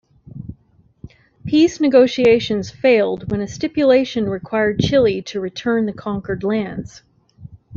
Peace negotiations failed when a stipulation required Chile to return the conquered lands.